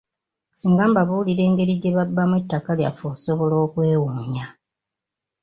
Singa mbabuulira engeri gye babbamu ettaka lyaffe, osobola okwewuunya.